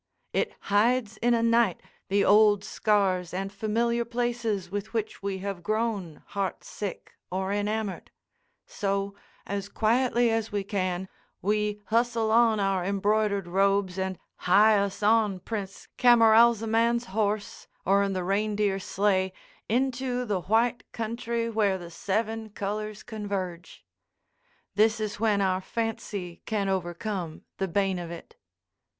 It hides in a night the old scars and familiar places with which we have grown heart sick or enamored. So, as quietly as we can, we hustle on our embroidered robes and hie us on Prince Camaralzaman's horse or in the reindeer sleigh into the white country where the seven colors converge. This is when our fancy can overcome the bane of it.